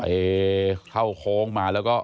เอเข้าโค้งมาแล้วก็